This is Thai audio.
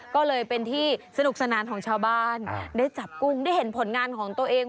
ก็เลยเป็นที่สนุกสนานของชาวบ้านได้จับกุ้งได้เห็นผลงานของตัวเอง